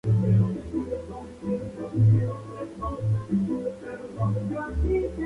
Puede, opcionalmente, presentarse dividido en cuatro bloques.